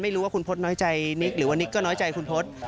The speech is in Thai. ไม่รู้ว่าคุณพศน้อยใจนิกหรือว่านิกก็น้อยใจคุณพศ